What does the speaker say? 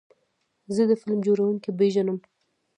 زه د فلم جوړونکي پیژنم.